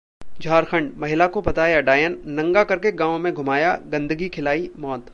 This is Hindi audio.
झारखंड: महिला को बताया डायन, नंगा करके गांव में घुमाया, गंदगी खिलाई, मौत